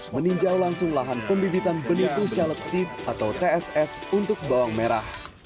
meninjau langsung lahan pembibitan benih truelet seats atau tss untuk bawang merah